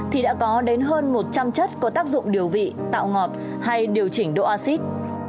thì đã có đến hơn một trăm linh chất có tác dụng điều vị tạo ngọt hay điều chỉnh độ acid